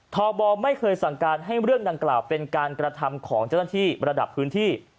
ทบไม่เคยสั่งการให้เรื่องดังกล่าวเป็นการกระทำของเจ้าหน้าที่ระดับพื้นที่